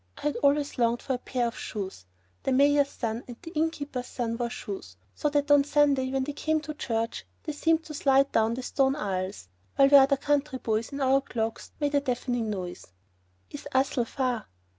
I had always longed for a pair of shoes. The mayor's son and the inn keeper's son wore shoes, so that on Sunday when they came to church they seemed to slide down the stone aisles, while we other country boys in our clogs made a deafening noise. "Is Ussel far?"